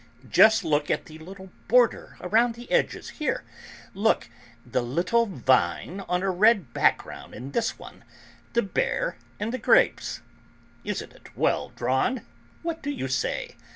Just look at the little border around the edges; here, look, the little vine on a red background in this one, the Bear and the Grapes. Isn't it well drawn? What do you say?